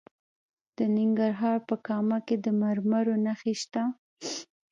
د ننګرهار په کامه کې د مرمرو نښې شته.